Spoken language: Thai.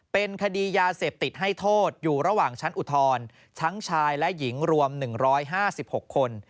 เป็นคดียาเสพติดให้โทษอยู่ระหว่างชั้นอุทธรณ์ทั้งชายและหญิงรวม๑๕๖คน